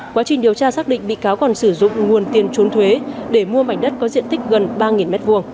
quá trình điều tra xác định bị cáo còn sử dụng nguồn tiền trốn thuế để mua mảnh đất có diện tích gần ba m hai